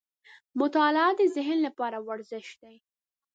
• مطالعه د ذهن لپاره ورزش دی.